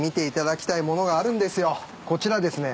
こちらですね